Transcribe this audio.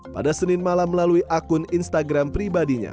pada senin malam melalui akun instagram pribadinya